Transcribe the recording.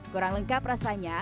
kurang lengkap rasanya